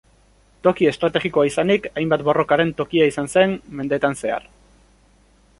Toki estrategikoa izanik hainbat borrokaren tokia izan zen mendeetan zehar.